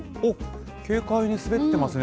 軽快に滑ってますね。